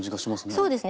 そうですね。